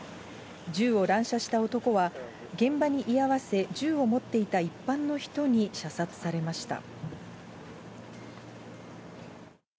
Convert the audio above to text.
銃を乱射した男は、現場に居合わせ、銃を持っていた一般の人に射殺されました。